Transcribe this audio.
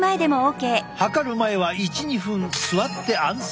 測る前は１２分座って安静に。